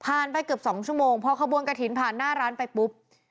ไปเกือบ๒ชั่วโมงพอขบวนกระถิ่นผ่านหน้าร้านไปปุ๊บ